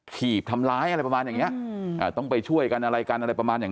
ถีบทำร้ายอะไรประมาณอย่างเนี้ยอืมอ่าต้องไปช่วยกันอะไรกันอะไรประมาณอย่าง